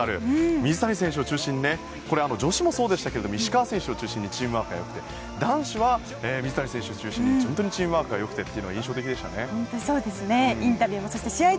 水谷選手を中心に女子もそうでしたが石川選手を中心にチームワークが良くて男子は水谷選手を中心に本当にチームワークが良くてというのが印象的でしたね。